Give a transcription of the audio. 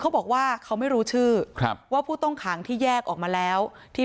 พร้อมด้วยผลตำรวจเอกนรัฐสวิตนันอธิบดีกรมราชทัน